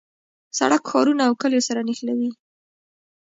سړک ښارونه او کلیو سره نښلوي.